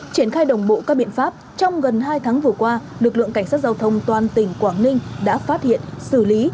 triển khai đồng bộ các biện pháp trong gần hai tháng vừa qua lực lượng cảnh sát giao thông toàn tỉnh quảng ninh đã phát hiện xử lý